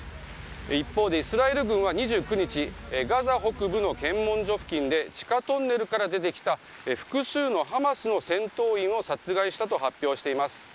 一方で、イスラエル軍は２９日ガザ北部の検問所付近で地下トンネルから出てきた複数のハマスの戦闘員を殺害したと発表しています。